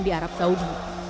di arab saudi